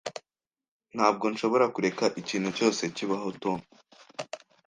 Ntabwo nshobora kureka ikintu cyose kibaho Tom.